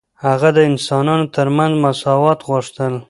هغه د انسانانو ترمنځ مساوات غوښتل.